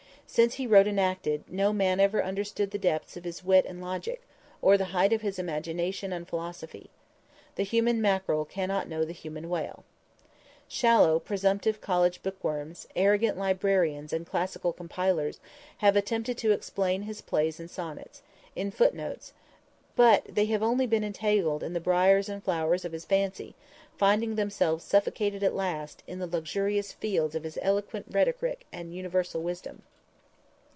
Since he wrote and acted, no man ever understood the depths of his wit and logic, or the height of his imagination and philosophy. The human mackerel cannot know the human whale. Shallow, presumptive college bookworms, arrogant librarians and classical compilers, have attempted to explain his plays and sonnets, in footnotes, but they have only been entangled in the briers and flowers of his fancy, finding themselves suffocated at last, in the luxurious fields of his eloquent rhetoric and universal wisdom.